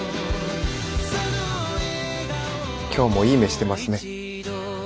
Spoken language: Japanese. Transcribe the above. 今日もいい目してますね。